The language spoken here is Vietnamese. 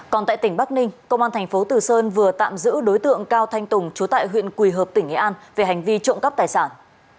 còn tại tỉnh bắc ninh công an thành phố từ sơn vừa tạm giữ đối tượng cao thanh tùng chú tại huyện quỳ hợp tỉnh nghệ an về hành vi trộm cắp tài sản